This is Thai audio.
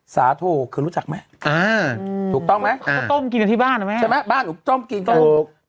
สาโทคือรู้จักไหมอ่าถูกต้องไหมก็ต้มกินกันที่บ้านนะแม่ใช่ไหมบ้านหนูต้มกินก็ถูก